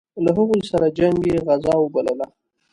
له هغوی سره جنګ یې غزا وبلله.